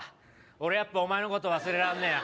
俺やっぱお前のこと忘れらんねえよ